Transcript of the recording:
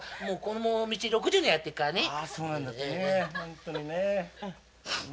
もうこの道６０年やってるから。